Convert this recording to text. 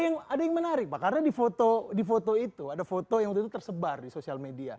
ada yang menarik pak karena di foto itu ada foto yang tersebar di sosial media